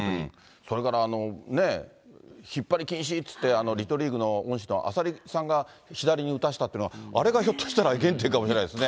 それから引っ張り禁止って言って、リトルリーグの恩師の浅利さんが左に打たせたっていうのが、あれがひょっとしたら、原点かもしれないですね。